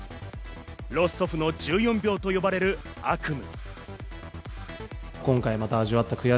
ロストフの１４秒と呼ばれる悪夢。